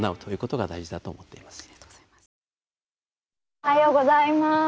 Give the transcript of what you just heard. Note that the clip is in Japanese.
おはようございます。